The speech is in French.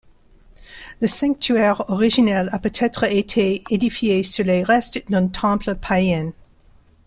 Le sanctuaire originel a peut-être été édifié sur les restes d'un temple païen.